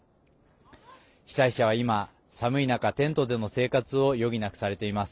被災者は今、寒い中テントでの生活を余儀なくされています。